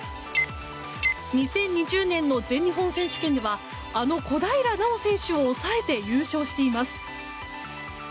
２０２０年の全日本選手権ではあの小平奈緒選手を抑えて優勝しています。